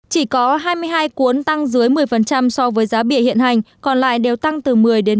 chỉ có hai mươi hai cuốn tăng dưới một mươi so với giá bìa hiện hành còn lại đều tăng từ một mươi ba mươi